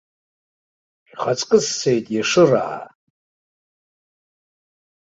Шәхаҵкы сцеит иашыраа!